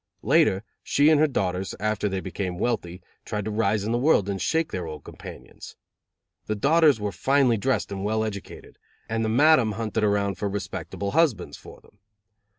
Later, she and her daughters, after they became wealthy, tried to rise in the world and shake their old companions. The daughters were finely dressed and well educated, and the Madame hunted around for respectable husbands for them.